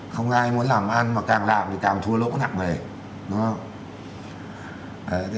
không ai muốn làm ăn mà càng làm thì càng thua lỗ nặng về